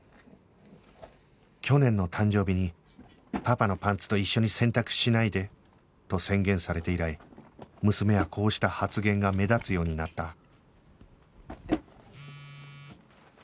去年の誕生日にパパのパンツと一緒に洗濯しないで！と宣言されて以来娘はこうした発言が目立つようになった